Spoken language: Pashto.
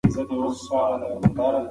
ښوونځي ته پر وخت تګ ډېر مهم دی.